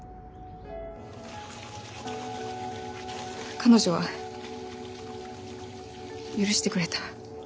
彼女は許してくれた。